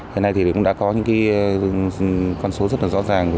hiện nay cũng đã có những con số rất rõ ràng